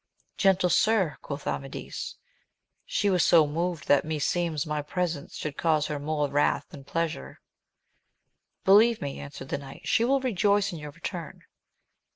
Gentle sir, quoth Amadis, she was so moved that meseems my presence should cause her more wrath than pleasure. Believe me, answered the knight, she will rejoice in your return.